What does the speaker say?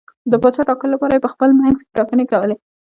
د پاچا ټاکلو لپاره یې په خپل منځ کې ټاکنې کولې.